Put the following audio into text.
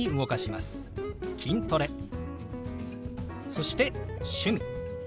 そして「趣味」。